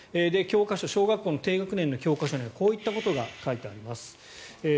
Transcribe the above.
小学校の低学年の教科書にはこういったことが書いてあります。